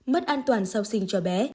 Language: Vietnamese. mất an toàn sau sinh cho bé